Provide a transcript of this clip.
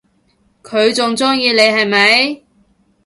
佢仲鍾意你係咪？